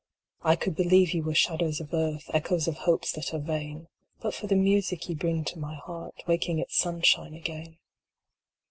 I could believe ye were shadows of earth, Echoes of hopes that are vain, But for the music ye bring to my heart, Waking its sunshine again.